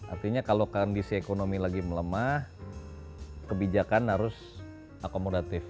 artinya kalau kondisi ekonomi lagi melemah kebijakan harus akomodatif